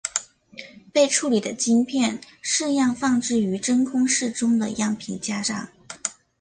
被处理的晶片试样放置于真空室中的样品架上。